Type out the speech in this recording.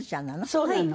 そうなの。